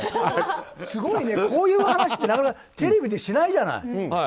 すごいね、こういう話ってなかなかテレビでしないじゃない。